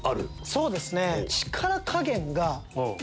そうですね。